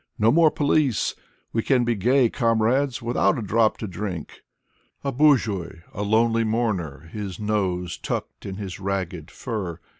No more police ! We can be gay, Comrades, without a drop to drink. A boorzhooy, a lonely mourner, His nose tucked in his ragged fur.